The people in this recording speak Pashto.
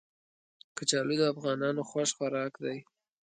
کچالو د افغانانو خوښ خوراک دی